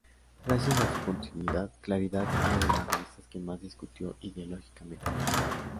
Gracias a su continuidad, "Claridad" fue una de las revistas que más discutió ideológicamente.